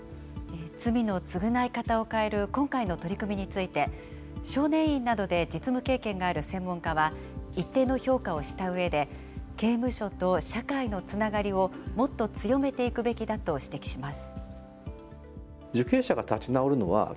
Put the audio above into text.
罪の償い方を変える今回の取り組みについて、少年院などで実務経験がある専門家は、一定の評価をしたうえで、刑務所と社会のつながりを、もっと強めていくべきだと指摘します。